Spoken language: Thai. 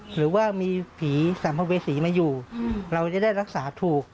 หรือว่ามีผีสัมภเวษีมาอยู่เราจะได้รักษาถูก